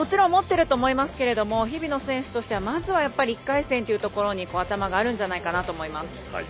もちろん持っていると思いますが日比野選手としてはまず１回戦に頭があるんじゃないかと思います。